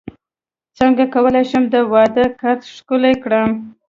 څنګه کولی شم د واده کارت ښکلی کړم